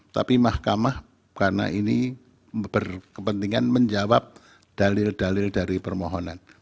tapi mahkamah karena ini berkepentingan menjawab dalil dalil dari permohonan